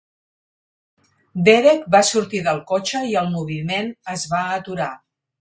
Derek va sortir del cotxe i el moviment es va aturar.